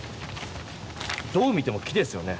どう見ても木ですよね。